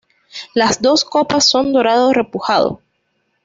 Las dos copas son dorado repujado.